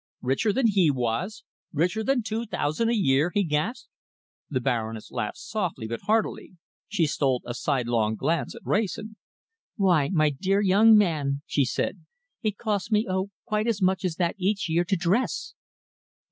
"Richer than he was! Richer than two thousand a year!" he gasped. The Baroness laughed softly but heartily. She stole a sidelong glance at Wrayson. "Why, my dear young man," she said, "it costs me oh! quite as much as that each year to dress."